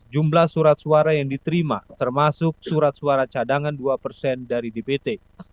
jumlah surat suara yang diterima termasuk surat suara cadangan dua persen dari dpt